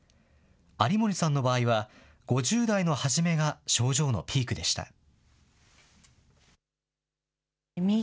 有森さんの場合は、５０代の初めが症状のピークでした。